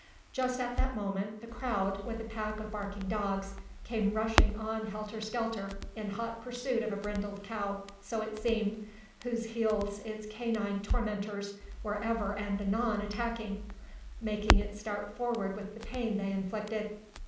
Just at that moment the crowd, with a pack of barking dogs, came rushing on helter skelter in hot pursuit of a brindled cow so it seemed whose heels its canine tormentors were ever and anon attacking, making it start forward with the pain they inflicted.